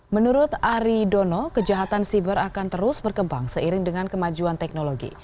menurut ari dono kejahatan siber akan terus berkembang seiring dengan kemajuan teknologi